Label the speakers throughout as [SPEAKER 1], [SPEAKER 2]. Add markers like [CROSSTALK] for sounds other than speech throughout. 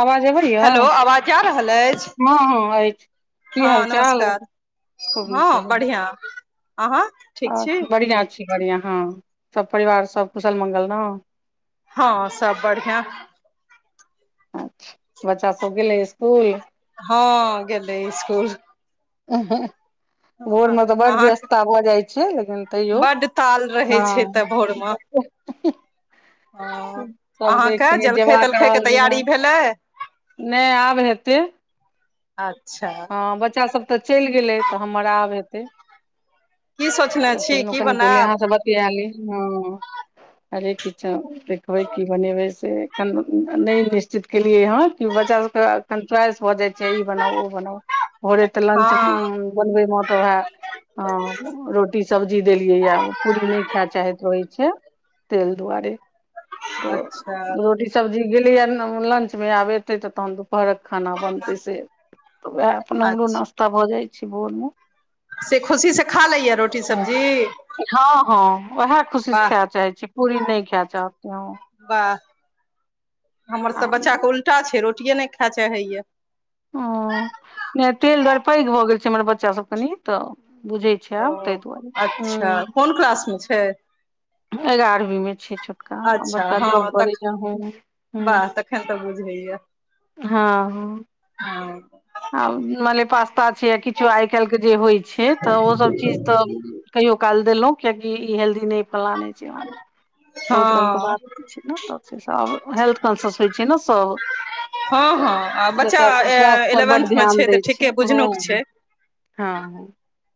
[SPEAKER 1] आवाज अबै यौ
[SPEAKER 2] हेलो आवाज जा रहल अछि
[SPEAKER 1] हँ हँ अछि की
[SPEAKER 2] हँ
[SPEAKER 1] हाल चाल
[SPEAKER 2] नमस्कार
[SPEAKER 1] खूब
[SPEAKER 2] हँ बढ़िआँ आँहा
[SPEAKER 1] हाँ बढ़ियां छी बढ़ियां हँ सब परिवार सब कुशल मंगल ने
[SPEAKER 2] हँ सब बढ़िआँ
[SPEAKER 1] अच्छा बच्चा सभ गेलै स्कूल
[SPEAKER 2] हँ गेलै स्कूल
[SPEAKER 1] ह भोरमे तऽ बड्ड
[SPEAKER 2] अहाँके
[SPEAKER 1] व्यस्तता भऽ जाइ छै लेकिन तैयो
[SPEAKER 2] बड्ड ताल रहै
[SPEAKER 1] हँ
[SPEAKER 2] छै तऽ भोरमे हँ
[SPEAKER 1] सभके एक
[SPEAKER 2] अहाँके
[SPEAKER 1] सगे
[SPEAKER 2] जलखै
[SPEAKER 1] जेबाक
[SPEAKER 2] तलखैके
[SPEAKER 1] रहल जेना
[SPEAKER 2] तैयारी भेलै
[SPEAKER 1] नै आब हेतै
[SPEAKER 2] अच्छा
[SPEAKER 1] हँ बच्चा सब तऽ चलि गेलै तऽ हमरा आब हेतै
[SPEAKER 2] की सोचने
[SPEAKER 1] तऽ
[SPEAKER 2] छी
[SPEAKER 1] सोचलहु
[SPEAKER 2] की
[SPEAKER 1] कनि पहिले आहाँ
[SPEAKER 2] बनायब
[SPEAKER 1] स बात क्याली हँ हरेक किछ देखबै की बनेबै से नहि निश्चित केलियै हँ कि बच्चा सबके चुवायस भऽ जाइ छै बनाउ ओ बनाउ भोरे त लंच
[SPEAKER 2] हँ
[SPEAKER 1] बनबे मे तऽ वएह हँ रोटी सब्जी देलियै यए पूरी नहि खाय चाहैत रहैत छै तेल दुआरे तऽ
[SPEAKER 2] अच्छा
[SPEAKER 1] रोटी सब्जी गेलिय आ लंचमे आब एतै तऽ तहन दुपहरक खाना बनतै तै से तऽ उएह अपन हमरो
[SPEAKER 2] अच्छा
[SPEAKER 1] नाश्ता भऽ जाइ छै भोर में
[SPEAKER 2] से खुशी सँ खा लैय रोटी सब्जी
[SPEAKER 1] हँ हँ उएह खुशी से
[SPEAKER 2] वाह
[SPEAKER 1] खाय चाहे छी पूरी नहि खाय चाहते ओ
[SPEAKER 2] वाह हमर सब बच्चा
[SPEAKER 1] आ
[SPEAKER 2] के उल्टा छै रोटिेये नहि खायए चाहैया
[SPEAKER 1] ओ नहि तेल दर पैघ भऽ गेल छै हमर बच्चा सब कनि तऽ बुझैत छय
[SPEAKER 2] ओ
[SPEAKER 1] आब ते दुआरे
[SPEAKER 2] अच्छा कोन क्लास मे छै
[SPEAKER 1] एगारहवीं में छै छोटका आ
[SPEAKER 2] अच्छा
[SPEAKER 1] बड़का
[SPEAKER 2] हँ
[SPEAKER 1] जॉब करैय
[SPEAKER 2] तख
[SPEAKER 1] ह हू
[SPEAKER 2] वाह तऽ बुझैया
[SPEAKER 1] हँ ह
[SPEAKER 2] हँ
[SPEAKER 1] आ मनेे पास्ता छै य किछो आइ काल्हि के जे होइ छै तऽ ओसभ चीज तऽ कहियो काल देलो ककि ई हेल्दी नहि फलना ने चिलना ने बहुत रङ्गके
[SPEAKER 2] हँ
[SPEAKER 1] बात छै ने तब आब हेल्थ कंसस होइ छै ने सभ
[SPEAKER 2] हँ हँ आ बच्चा ऐ
[SPEAKER 1] स्वास्थ्य पर बड
[SPEAKER 2] एलेवंथ मे
[SPEAKER 1] ध्यान
[SPEAKER 2] छै तऽ
[SPEAKER 1] दै
[SPEAKER 2] ठीके
[SPEAKER 1] हँ
[SPEAKER 2] बुझनक छै
[SPEAKER 1] हँ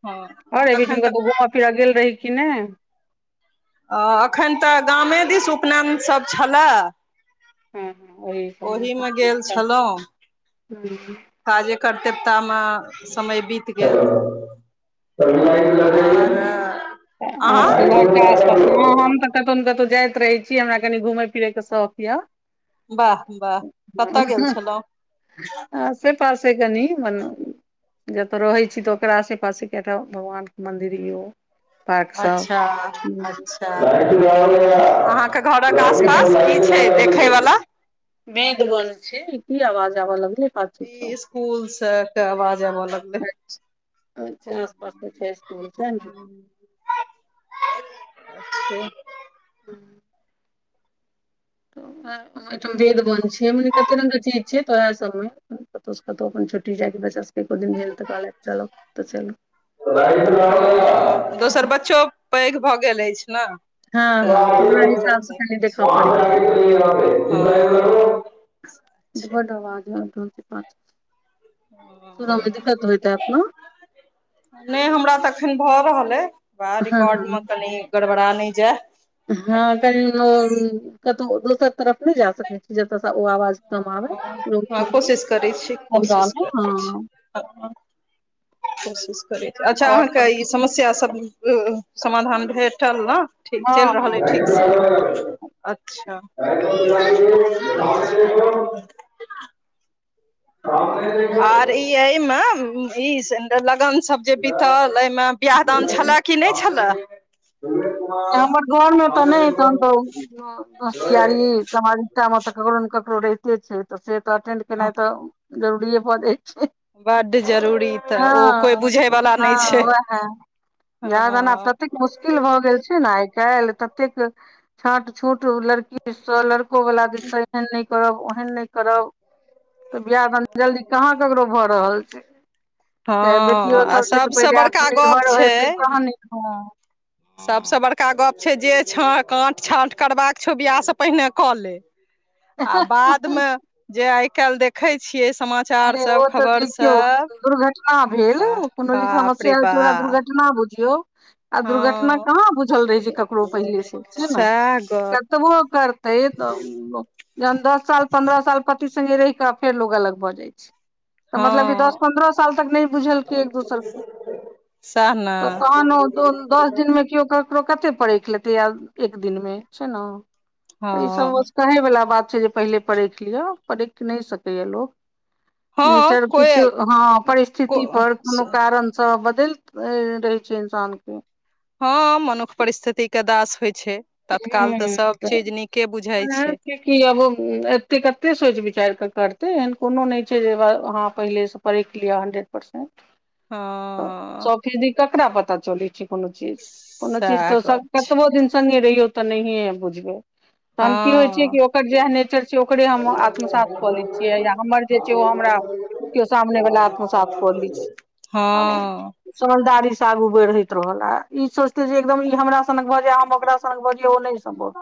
[SPEAKER 2] हँ
[SPEAKER 1] आओर एहि बीच
[SPEAKER 2] तखन
[SPEAKER 1] मे कतहु
[SPEAKER 2] तऽ
[SPEAKER 1] घूमय फिरय गेल रही कि नहि
[SPEAKER 2] एखन तऽ गामे दिस उपनयन सभ छलै
[SPEAKER 1] हँ ओहि सम
[SPEAKER 2] गेल छलहुँ
[SPEAKER 1] ह [UNINTELLIGIBLE]
[SPEAKER 2] काजे करतेवता मे समय बीत गेल त लाइट लग [UNINTELLIGIBLE]
[SPEAKER 1] अहाँ सबके घरके आसपास हम त कतहु ने कतहु जाइत रहै छी हमरा कनी घुमय फिरयके शौक यऽ
[SPEAKER 2] वाह वाह कतय गेल छलहुँ
[SPEAKER 1] पास है कनी मन जतऽ रहै छी तऽ ओकरा पासे एकटााम भगवानके मन्दिर यौ
[SPEAKER 2] अच्छा अच्छा अहाँके घरक आसपास की छै देखैवला
[SPEAKER 1] मेद बन छै की आवाज आब लगलै सँ
[SPEAKER 2] ई स्कूल सब के आवाज आबऽ लगलै
[SPEAKER 1] आसपास छै स्कूल छै ने
[SPEAKER 2] अचछा [INAUDIBLE]
[SPEAKER 1] [INAUDIBLE] तऽ आ वेठाम वेद वन छै मने कते रंगग के चीज छै तो ओएह सब मे कतहुं कतहु अपन छोटी जाय बच्चा सब एकोदिन भेलेल त पले चलक तऽ चलू
[SPEAKER 2] [UNINTELLIGIBLE] दोसर बच्चो पैघ भऽ गेल अछि ने
[SPEAKER 1] हँ हँ तऽ ओकरा हिसाब से कनि देखऽ पड़ै छै
[SPEAKER 2] [UNINTELLIGIBLE] छै
[SPEAKER 1] बड आवाज आबि रहल अछी पाछु स सुनअ मे
[SPEAKER 2] हँ
[SPEAKER 1] दिक्कत होइत हैत न
[SPEAKER 2] नहि हमरा तऽखन भऽ रहल अइ वए
[SPEAKER 1] हँ
[SPEAKER 2] रिकॉर्ड
[SPEAKER 1] हँ
[SPEAKER 2] मे कनि गड़बड़ा नहि जाय
[SPEAKER 1] हँ कनि कतहु दोसर तरफ नहि जा सकैत छी जतय ओ आवाज कम आबे रूम
[SPEAKER 2] हँ
[SPEAKER 1] तुम मे
[SPEAKER 2] कोशिश करै छी
[SPEAKER 1] कमरा
[SPEAKER 2] कोशिश
[SPEAKER 1] मे
[SPEAKER 2] करै
[SPEAKER 1] हँ
[SPEAKER 2] छी कोशिश करैत छी अच्छा
[SPEAKER 1] और
[SPEAKER 2] अहाँके
[SPEAKER 1] सब
[SPEAKER 2] ई समस्या सब समाधान भेटल ने ठीक
[SPEAKER 1] हँ
[SPEAKER 2] चलि रहल अइ
[SPEAKER 1] हँ
[SPEAKER 2] ठीकसँ अच्छा [UNINTELLIGIBLE] सामने देखो आर ई एहिमे ई लगन सब जे बीतल एहिमे बिआह दान छलए कि नहि छलए
[SPEAKER 1] हमर घरमे तऽ नहि एतन तऽ दोस्ती यारी समाज मे तऽ ककरो ने ककरो रहिते छै तऽ से तऽ अटेंड केनाइ तऽ जरुरीे भ जाय छै
[SPEAKER 2] बड्ड जरूरी तऽ ओ कोइ
[SPEAKER 1] हँ
[SPEAKER 2] बुझयवला नहि छै
[SPEAKER 1] हँ वेहा बियाह दान आब
[SPEAKER 2] हँ
[SPEAKER 1] ततैक मूस मुश्किल भए गेल छै ने आइ काल्हि ततेक छाट छूट लड़की दिस सँ लडको दिस उवला दिससँ एहन नहि करब ओहन नहि करब तऽ बियाह तनी जल्दी कहाँ ककरो भऽ रहल छै तऽ
[SPEAKER 2] हँ
[SPEAKER 1] बेटियो
[SPEAKER 2] आ
[SPEAKER 1] सब छै तऽ
[SPEAKER 2] सभसँ
[SPEAKER 1] पहिले
[SPEAKER 2] बड़का गप
[SPEAKER 1] आत्मनिर्भर हेतै
[SPEAKER 2] छै
[SPEAKER 1] तहन
[SPEAKER 2] सभसँ बड़का गप छै जे छाँ काँट छाँट करबाका छौ बियाहसँ पहिने कऽ ले आ
[SPEAKER 1] हँ
[SPEAKER 2] बादमे जे आइ काल्हि देखै छियै समा चार
[SPEAKER 1] अरे ओ
[SPEAKER 2] सब
[SPEAKER 1] तऽ
[SPEAKER 2] खबर
[SPEAKER 1] देखियौ
[SPEAKER 2] सब
[SPEAKER 1] दुर्घटना भेल कोनो जे
[SPEAKER 2] बाप रे
[SPEAKER 1] समस्या होइ छै ओकरा
[SPEAKER 2] बाप
[SPEAKER 1] दुर्घटना बुझियौ आ दुर्घटना कहाँ बुझल रहै छै ककरो पहिले से छै ने
[SPEAKER 2] सएह गप
[SPEAKER 1] कतबो करते त जखन दस साल पन्द्रह साल पति संग रहि कऽ फेर लोक अलग भऽ जाइ छै तऽ मतलब क दस
[SPEAKER 2] हँ
[SPEAKER 1] पन्द्रह साल तक नहि बुझलकै एक दोसर के
[SPEAKER 2] सएह ने
[SPEAKER 1] तऽ तहन ओ दो दस दिन मे केओ ककरो कते परख लेतै आ एक दिन मे छै ने तऽ ईसभ
[SPEAKER 2] हँ
[SPEAKER 1] कहैवला बात छै जे पहिले परैख लिअ परैखि नहि सकैए लोक
[SPEAKER 2] हँ
[SPEAKER 1] नेचर
[SPEAKER 2] कोइ
[SPEAKER 1] किछु हँ परिस्थिति पर कोनो कारण बदल रहै छै इन्सान के
[SPEAKER 2] हँ मनुख परिस्थितिक के दास होइ छै तत्काल तऽ सब चीज नीके बुझाय
[SPEAKER 1] ओनाहु
[SPEAKER 2] छै
[SPEAKER 1] कि अब एते कते सोचि विचार कऽ करतै एहन कोनो नहि छै जे अहाँ पहिले सँ परैख लिय हन्ड्रेड परसेंट
[SPEAKER 2] हँ
[SPEAKER 1] फिर भी ककरा पता चलै छै कोनो चीज कोनो चीज
[SPEAKER 2] सएह
[SPEAKER 1] तो
[SPEAKER 2] गप छै
[SPEAKER 1] कतबो दिन संगे तैयो तऽ नहिऐ बुझबै तऽहन की होइ छियै
[SPEAKER 2] हँ
[SPEAKER 1] कि ओकर जेह नेचर छिय ओकरे हम आत्मसात कऽ लै छियै या हमर जे छै ओ हमरा केओ सामने वला आत्मसात कऽ लै छै ह
[SPEAKER 2] हँ
[SPEAKER 1] समझदारी से आगू बढ़ैत रहल आ ई सोचते जे एकदम ई हमरा सनक भऽ जाय हम ओकरा सनक तहन बरियो ओ नहि सम्भव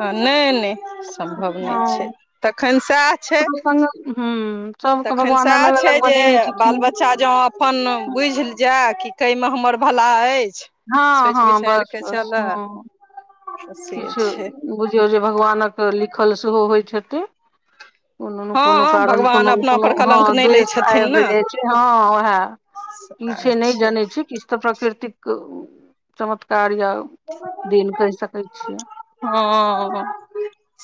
[SPEAKER 2] हँ नहि नहि सम्भव नहि छै तखन सएह छै
[SPEAKER 1] [UNINTELLIGIBLE]
[SPEAKER 2] तखन
[SPEAKER 1] भगवान
[SPEAKER 2] सएह
[SPEAKER 1] अलग
[SPEAKER 2] छै
[SPEAKER 1] अलग
[SPEAKER 2] जे
[SPEAKER 1] बनेने
[SPEAKER 2] बाल
[SPEAKER 1] छथिन
[SPEAKER 2] बच्चा जँ अपन बुझि जाए कि कै मे हमर भला अछि
[SPEAKER 1] हँ
[SPEAKER 2] सोचि
[SPEAKER 1] हँ
[SPEAKER 2] बिचारि
[SPEAKER 1] बस
[SPEAKER 2] कऽ
[SPEAKER 1] बस
[SPEAKER 2] चलै
[SPEAKER 1] हँ किछु बुझियौ जे भगवानक लिखल सेहो होइत छथि कोनो ने कोनो
[SPEAKER 2] हँ
[SPEAKER 1] कारण
[SPEAKER 2] भगवान
[SPEAKER 1] कोनो ने
[SPEAKER 2] अपना
[SPEAKER 1] कोनो
[SPEAKER 2] पर
[SPEAKER 1] हँ
[SPEAKER 2] कलंक नहि लै
[SPEAKER 1] द्वेष
[SPEAKER 2] छथिन
[SPEAKER 1] आबि
[SPEAKER 2] ने
[SPEAKER 1] बेै छै हँ उएह की छै नहि जनै छै कि तऽ प्रकृतिक चमत्कार या दिन कहि सकै छियै
[SPEAKER 2] हँ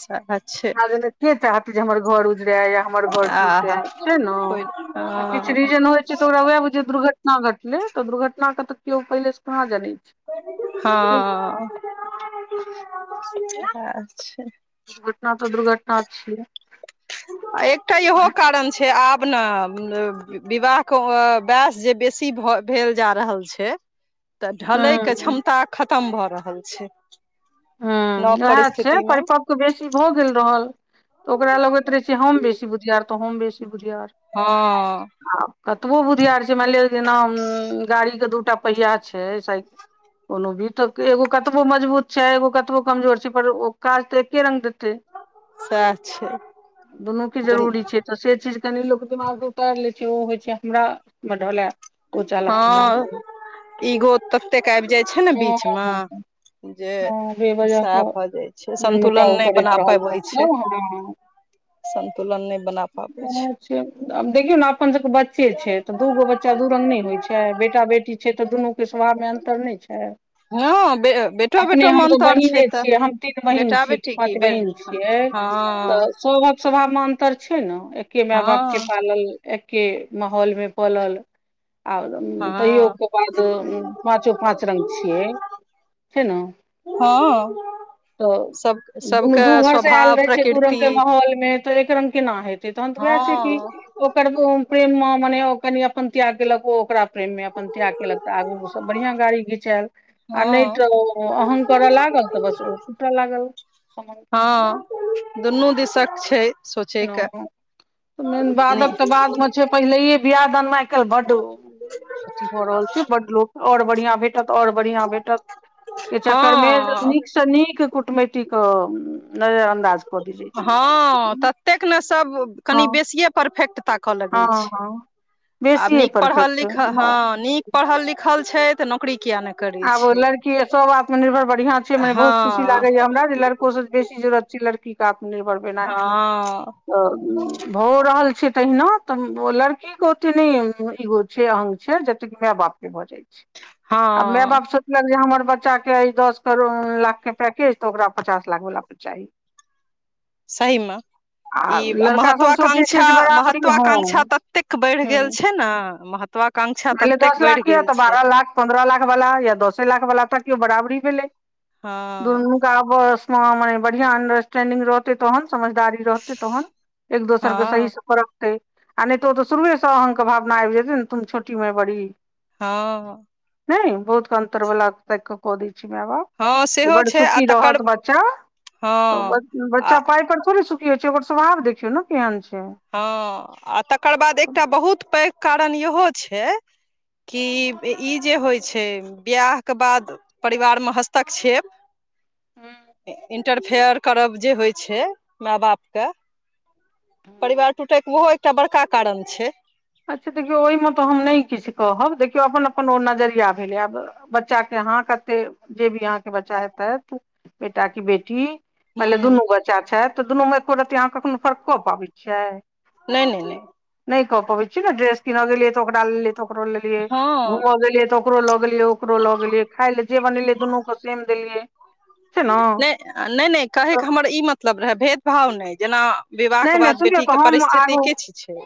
[SPEAKER 2] सेहै
[SPEAKER 1] आगे से के चाहत जे हमर घर उजरे या हम हमर घर टूटे
[SPEAKER 2] आहा
[SPEAKER 1] छै नऽ
[SPEAKER 2] कोइ
[SPEAKER 1] आ किछु
[SPEAKER 2] हँ
[SPEAKER 1] रीजन होइत ओकरा वएह बुझियौ दुर्घटना घटलै तऽ दुर्घटना के तऽ केओ पहिले से कहाँ जानैत छै
[SPEAKER 2] हँ उहे छै
[SPEAKER 1] दुर्घटना तऽ दुर्घटना छियै
[SPEAKER 2] आ एकटा इहो कारण छै आब आब नऽ विवाह के वयस जे बेसी भेल जा रहल छै
[SPEAKER 1] ह [INAUDIBLE]
[SPEAKER 2] तऽ ढलै के क्षमता खतम भऽ रहल छै
[SPEAKER 1] हूँ
[SPEAKER 2] नव
[SPEAKER 1] उएह छै
[SPEAKER 2] परिस्थितिमे
[SPEAKER 1] परिपक्व बेसी भऽ गेल रहल तऽ ओकरा लगैत रहै छै हम बेसी बुधियार तऽ हम बेसी बुधियार
[SPEAKER 2] हँ
[SPEAKER 1] आ कतबो बुधियार छै मानि लिअ जेना गाड़ीके दूटा पहिया छै साइकि कोनो भी तऽ एगो कतबो मजबूत छै एगो कतबो कमजोर छै पर ओ काज तऽ एके रंग देत तै
[SPEAKER 2] सएह छै
[SPEAKER 1] दुनू के
[SPEAKER 2] दुन
[SPEAKER 1] जरूरी छै तऽ से चीज कनि लोक दिमाग से उतारि लै छै ओ होइ छै हमरामे ढलै ओ चाहलक हमरामे ढलै
[SPEAKER 2] इगो ततेक आबि जाय छै ने
[SPEAKER 1] हँ
[SPEAKER 2] बीच मे
[SPEAKER 1] हँ हँ जे वजहसँ
[SPEAKER 2] जाइ छै
[SPEAKER 1] मन
[SPEAKER 2] संन्तुलन
[SPEAKER 1] मुटाव
[SPEAKER 2] नहि
[SPEAKER 1] करैत
[SPEAKER 2] बना
[SPEAKER 1] रहल लोक
[SPEAKER 2] पाबै छै
[SPEAKER 1] सँ हँ
[SPEAKER 2] संन्तुलन नहि बना पाबै
[SPEAKER 1] इहे छै आब देखियौ नऽ अपन सबके बच्चे छै तऽ दूगो बच बच्चा दु रंग नहि होइ छै बेटा बेटी छै तऽ दुनूके स्वभावमे अन्तर नहि छै
[SPEAKER 2] हँ बेटो
[SPEAKER 1] अपने
[SPEAKER 2] बेटो मे
[SPEAKER 1] हम तऽ
[SPEAKER 2] अन्तर छै
[SPEAKER 1] बहिने
[SPEAKER 2] तऽ
[SPEAKER 1] छियै हम तीन बहिन
[SPEAKER 2] बेटा
[SPEAKER 1] छियै कि
[SPEAKER 2] बेटी की
[SPEAKER 1] पाँच
[SPEAKER 2] बे
[SPEAKER 1] बहिन छियै
[SPEAKER 2] हँ
[SPEAKER 1] तऽ सभक स्वभावमे अंतर छै ने एके मे बाप के
[SPEAKER 2] हँ
[SPEAKER 1] पालल एके माहौल मे पलल आ तैयो
[SPEAKER 2] हँ
[SPEAKER 1] ओकर बादो पाँचो पाँच रंग छियै छै ने
[SPEAKER 2] हँ
[SPEAKER 1] तऽ
[SPEAKER 2] सब
[SPEAKER 1] दुनू
[SPEAKER 2] सबके
[SPEAKER 1] दू घर से आयल
[SPEAKER 2] स्वभाव
[SPEAKER 1] रहे छै दू रंग
[SPEAKER 2] प्रकृति
[SPEAKER 1] के माहौल हौल मे तऽ एके रंग केना हेतै तहन तऽ वएह छै कि
[SPEAKER 2] हँ
[SPEAKER 1] ओकर प्रेम मे मने ओ कनि अपन त्याग देलक ओ ओकरा प्रेम मे अपन त्याग केलक तऽ आगू घुसकल तब बढ़ियां गाड़ी घिचायल आ नहि
[SPEAKER 2] हँ
[SPEAKER 1] तऽ ओ अहं करऽ लागल तऽ बस ओ टुटऽ लागल समान
[SPEAKER 2] हँ दुनू दिसक छै सोचैके
[SPEAKER 1] ओ मेन बादक तऽ बादमे छै पहिलैये बियाह दान मे आइ काल्हि बड्ड अथी भऽ रहल छै बड्ड लोक आओर बढ़ियां भेटत आओर बढ़ियां भेटत के चक्करमे
[SPEAKER 2] हँ
[SPEAKER 1] नीक सँ नीक कुटमैति कऽ नजरअंदाज कऽ देल जाइ छै लोक
[SPEAKER 2] हँ
[SPEAKER 1] सब।
[SPEAKER 2] ततेक ने सब कनि
[SPEAKER 1] हँ
[SPEAKER 2] बेसिये परफेक्ट ताकऽ लगै
[SPEAKER 1] हँ
[SPEAKER 2] छै
[SPEAKER 1] हँ
[SPEAKER 2] आब
[SPEAKER 1] बेसीये
[SPEAKER 2] नीक पढ़ल
[SPEAKER 1] परफेक्ट
[SPEAKER 2] लिखल हँ नीक पढ़ल लिखल छै तऽ नौकरी किये नहि करै
[SPEAKER 1] आब
[SPEAKER 2] छै
[SPEAKER 1] लड़की सभ आत्मनिर्भर बढ़ियां छै मने बहुत खुशी
[SPEAKER 2] हँ
[SPEAKER 1] लागैया हमरा जे लड़को से बेसी जरूरत छै लड़की कऽ आत्मनिर्भर भेनाय
[SPEAKER 2] हँ
[SPEAKER 1] तऽ भऽओ रहल छै तहिना तऽ ओ लड़की के ओते नहि इगो छै अहं छै जतेकि मे बाप के भऽ जाइ छै आ मे
[SPEAKER 2] हँ
[SPEAKER 1] बाप सँ मतलब जे हमर बच्चा के अइ दस करो लाख के पैकेज तऽ ओकरा पचास लाख वाला पर चाही [INAUDIBLE]
[SPEAKER 2] सहिमे
[SPEAKER 1] आ
[SPEAKER 2] ई
[SPEAKER 1] लड़का सब सोचै छै
[SPEAKER 2] महत्वाकांक्षा
[SPEAKER 1] जे बराबरी हँ
[SPEAKER 2] महत्वाकांक्षा ततेक बढ़ि गेल
[SPEAKER 1] हूँ
[SPEAKER 2] छै ने महत् त्वाकांक्षा ततेक बढ़ि गेल छै
[SPEAKER 1] पंद्रह लाख वाला या दसे लाख वाला तकियौ बराबरी भेलै
[SPEAKER 2] हँ
[SPEAKER 1] दुनू के आब बस मने बढ़िआं अंडरस्टेंडिंग रहतै तहन समझदारी रहतै तहन एक दोसर के
[SPEAKER 2] हँ
[SPEAKER 1] सही सफर आ नहि तो ओ तऽ शुरुएसँ अहंके भावना आबि जेतै ने तुम छोटी मै बड़ी
[SPEAKER 2] हँ
[SPEAKER 1] नहि बहुतेक अन्तर बला ताइक क क दै छै माय बाप
[SPEAKER 2] हँ
[SPEAKER 1] जे
[SPEAKER 2] सेहो
[SPEAKER 1] बड़
[SPEAKER 2] छै आ
[SPEAKER 1] सुखी
[SPEAKER 2] तकर
[SPEAKER 1] रहत बच्चा त
[SPEAKER 2] हँ
[SPEAKER 1] ओ
[SPEAKER 2] आ
[SPEAKER 1] बच्चा पाय पर थोड़ी सुखी होइ छै ओकर स्वभाव देखियौ ने केहन छै
[SPEAKER 2] हँ आ तकर बाद एकटा बहुत पैघ कारण इहो छै कि ई जे होइ छै बियाहक बाद परिवारमे हस्तक्षेप
[SPEAKER 1] हूँ
[SPEAKER 2] इंटरफेयर करब जे होइ छै माय बाप के परिवार टूटैके ओहो एकटा बड़का कारण छै
[SPEAKER 1] अच्छा देखियौ ओहिमे तऽ हम नहि किछु कहब देखियौ अपन अपन ओ नजरिया भेलै आब बच्चा के अहाँ कते जे भी अहाँ के बच्चा हेतैत बेटा की बेटी
[SPEAKER 2] हूँ
[SPEAKER 1] मानिलिय दुनू बच्चा छथि तऽ दुनूमे एको रत्ती अहाँ कखनो फर्क क पाबै छियै
[SPEAKER 2] नहि नहि नहि
[SPEAKER 1] नहि कऽ पबै छियै ने ड्रेस कीनऽ गेलियै तऽ ओकरा ले लेलियै तऽ ओकरो ले लेलियै
[SPEAKER 2] हँ
[SPEAKER 1] घुम गेलियै तऽ ओकरो लऽ गेलियै ओकरो लऽ गेलियै खाय ले जे बनेलिये दुनू के सेम देलियै छै ने
[SPEAKER 2] नहि नहि नहि कहैके हमर ई मतलब रहै भेदभाव नहि जेना विवाह
[SPEAKER 1] नहि
[SPEAKER 2] के
[SPEAKER 1] नहि
[SPEAKER 2] बाद
[SPEAKER 1] सुनियौ
[SPEAKER 2] बेटी
[SPEAKER 1] तऽ
[SPEAKER 2] के
[SPEAKER 1] हम
[SPEAKER 2] परिस्थिति
[SPEAKER 1] आगू
[SPEAKER 2] किछु छै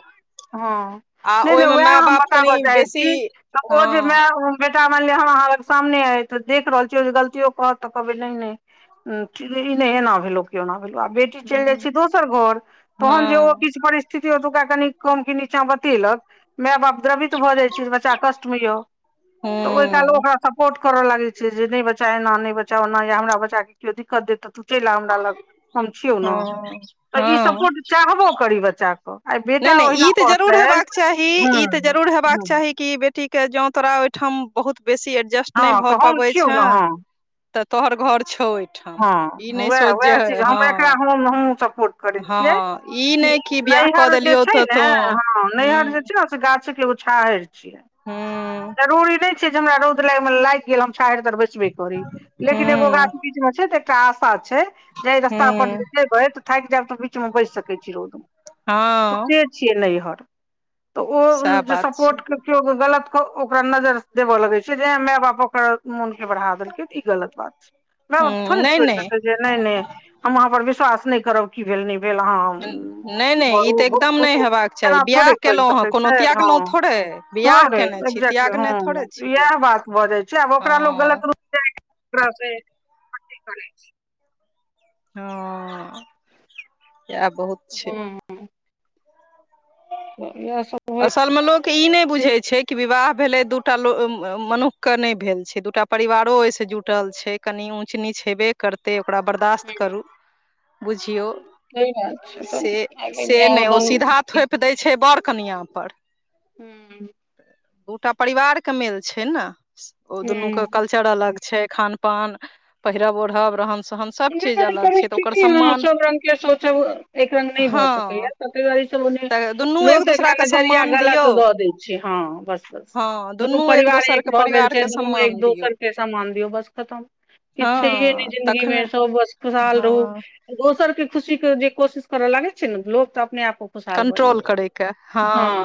[SPEAKER 1] हँ
[SPEAKER 2] आ
[SPEAKER 1] नहि नहि
[SPEAKER 2] ओहिमे
[SPEAKER 1] उएह
[SPEAKER 2] माय
[SPEAKER 1] हम
[SPEAKER 2] बाप कनि
[SPEAKER 1] बताबऽ चाहै
[SPEAKER 2] बेसी
[SPEAKER 1] छी तऽ ओ जे
[SPEAKER 2] हँ
[SPEAKER 1] माय बेटा मानि लिय हम अहाँ लग सामने अय तऽ देख रहल छियै जे गलतियो कहत तऽ कहबै नहि नहि ई नहि एना भेलौ कि ओना भेलौ आ बे टी चलि जाइ
[SPEAKER 2] हँ
[SPEAKER 1] छै दोसर घर तहन जे ओ
[SPEAKER 2] हँ
[SPEAKER 1] किछु परिस्थिति ओतुका कनि कम के नीचा बतेलक माय बाप द्रवीत भ जायत छै जे बच्चा कष्ट में य त ओइ काल
[SPEAKER 2] हँ
[SPEAKER 1] ओकरा सपोर्ट करऽ लागैत छै जे नहि बच्चा एना नहि बचा ओना या हमरा बच्चा केओ दिक्कत देत तऽ तू चलि हमरा लग हम छियौ ने तऽ ई
[SPEAKER 2] हँ
[SPEAKER 1] सपोर्ट चाहबो करी बच्चा क आ
[SPEAKER 2] नहि नहि ई तऽ जरूर हेबाक चाही ई तऽ जरूर हेबाक
[SPEAKER 1] हँ
[SPEAKER 2] चाही की बेटीके जों तोरा ओहिठाम बहुत बेसी एडजस्ट नहि
[SPEAKER 1] हँ
[SPEAKER 2] भऽ
[SPEAKER 1] तऽ हम
[SPEAKER 2] पाबै
[SPEAKER 1] छियौ
[SPEAKER 2] छ
[SPEAKER 1] ने हँ
[SPEAKER 2] तऽ तोहर घर छो इ
[SPEAKER 1] हँ उएह उएह चीज हम एकरा
[SPEAKER 2] हँ
[SPEAKER 1] हम हमहू सपोर्ट करैत छियै
[SPEAKER 2] हँ ई
[SPEAKER 1] कि
[SPEAKER 2] नहि बियाह कऽ
[SPEAKER 1] नैहर जे
[SPEAKER 2] देलियौ
[SPEAKER 1] छै
[SPEAKER 2] तऽ
[SPEAKER 1] ने
[SPEAKER 2] तो
[SPEAKER 1] हँ नैहर जे
[SPEAKER 2] ह्म
[SPEAKER 1] छै से गाछ के एगो छाहर छै
[SPEAKER 2] हँ
[SPEAKER 1] जरूरी नहि छै जे हमरा रौद लागि गेल हम छरि तर बैसबे करी लेकिन एगो गाछ
[SPEAKER 2] ह्म
[SPEAKER 1] बिच मे छै एकटा आशा छै जे रस्ता
[SPEAKER 2] ह्म
[SPEAKER 1] अपने तऽ थाकि जायब तऽ बीच मे बैस सकै छी रोड
[SPEAKER 2] हँ
[SPEAKER 1] से छिय नैहर तऽ
[SPEAKER 2] सएह
[SPEAKER 1] ओ
[SPEAKER 2] बात छै
[SPEAKER 1] सपोर्ट केओ गलत ओकरा नजर देबऽ लगे छै जे माय बाप ओकरा मोन के बढ़ा देलकै त ई गलत बात मै बाप
[SPEAKER 2] ह्म
[SPEAKER 1] थोड़े
[SPEAKER 2] नहि
[SPEAKER 1] छोड़ि
[SPEAKER 2] नहि
[SPEAKER 1] देल नहि नहि हम आहाँ पर विश्वास नहि करब की भेल नहि भेल अह
[SPEAKER 2] नहि नहि
[SPEAKER 1] बर
[SPEAKER 2] ई तऽ एकदम नहि
[SPEAKER 1] बहु
[SPEAKER 2] हेबाक चाही
[SPEAKER 1] एना
[SPEAKER 2] बियाह
[SPEAKER 1] थोड़े कहि
[SPEAKER 2] केलहुँ हेँ
[SPEAKER 1] सकै
[SPEAKER 2] कोनो
[SPEAKER 1] छै
[SPEAKER 2] त्यागलहुँ
[SPEAKER 1] हँ
[SPEAKER 2] थोड़े ब्याह केने छी
[SPEAKER 1] एक्जै्टली ह
[SPEAKER 2] त्यागने थोड़े छी
[SPEAKER 1] इएह बात बजय छै आब ओकरा लोग
[SPEAKER 2] हँ
[SPEAKER 1] गलत रूप करै [UNINTELLIGIBLE]
[SPEAKER 2] हँ इहा बहुत छै
[SPEAKER 1] हँ तऽ इएह सब होइ
[SPEAKER 2] असल मे लोक के ई नहि बुझै छै कि विवाह भेलै दूटा मनुक के नहि भेल छै दूटा परिवारो ओ से जुटल छै कनी ऊंच नीच हेबे करतै ओकरा
[SPEAKER 1] छै।
[SPEAKER 2] बर्दाश्त करू बुझियौ
[SPEAKER 1] सही बात छै तऽ
[SPEAKER 2] से
[SPEAKER 1] आगे
[SPEAKER 2] से
[SPEAKER 1] बियाहो
[SPEAKER 2] नहि ओ
[SPEAKER 1] दान
[SPEAKER 2] सीधा थोप दै छै बड़ कनिया पर
[SPEAKER 1] हू
[SPEAKER 2] दूटा परिवारके मेल छै ने ओ दुनूके
[SPEAKER 1] हूँ
[SPEAKER 2] कल्चर चड़ अलग छै खान पान पहिरब ओढ़ब रहन सहन सभ चीज अलग छै तऽ ओकर
[SPEAKER 1] परिस्थिति ह
[SPEAKER 2] सम्मान
[SPEAKER 1] सब रंग के सोच एक रंग नहि भए
[SPEAKER 2] हँ
[SPEAKER 1] सकैया पकेवी सब ओने
[SPEAKER 2] तऽ दुनू एक
[SPEAKER 1] लोक एकरा
[SPEAKER 2] दोसराके
[SPEAKER 1] नजरिया
[SPEAKER 2] सम्मान
[SPEAKER 1] गलत
[SPEAKER 2] दियौ
[SPEAKER 1] दऽ दै छै हँ बस बस
[SPEAKER 2] हँ
[SPEAKER 1] दुनू परिवार एक
[SPEAKER 2] दोसरके
[SPEAKER 1] भऽ गेल छै
[SPEAKER 2] परिवारके
[SPEAKER 1] दुनू एक
[SPEAKER 2] सम्मान दियौ
[SPEAKER 1] दोसरके सामान दियौ बस खतम
[SPEAKER 2] हँ
[SPEAKER 1] किछ छेहै नै जिन्दगी मे
[SPEAKER 2] तखने
[SPEAKER 1] सब बस खुशहाल रहू
[SPEAKER 2] हँ
[SPEAKER 1] दोसर के खुशी के जे कोशिश करऽ लागे छै ने लोक तऽ अपने आप शाल ब
[SPEAKER 2] कंट्रोल करयके
[SPEAKER 1] हँ